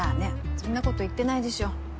そんなこと言ってないでしょ。